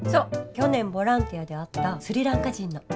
去年ボランティアで会ったスリランカ人の。